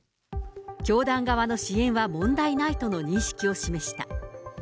教団側の支援は問題ないとの認識を示した。